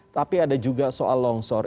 tapi ada juga soal longsor